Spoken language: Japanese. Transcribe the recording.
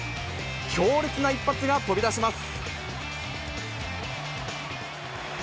強烈な一発が飛び出します。